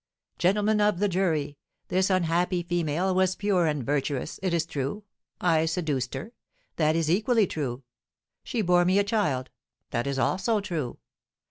'Gentlemen of the jury, This unhappy female was pure and virtuous, it is true. I seduced her, that is equally true; she bore me a child, that is also true.